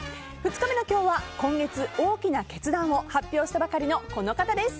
２日目の今日は今月大きな決断を発表したばかりの、この方です。